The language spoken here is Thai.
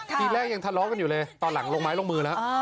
คืออาหารเร็ยงทะเลาะกันอยู่เลยตอนหลังลงไม้ลงมือมา